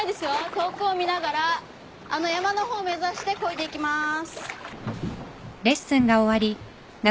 遠くを見ながらあの山の方目指してこいでいきます。